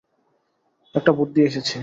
একটা বুদ্ধি এসেছে।